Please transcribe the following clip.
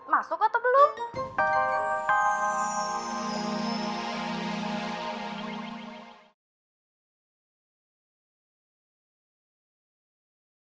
masuk atau belum